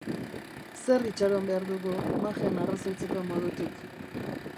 Zer itxaron behar dugu Machen arrazoitzeko modutik?